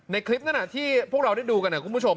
คลิปนั้นที่พวกเราได้ดูกันคุณผู้ชม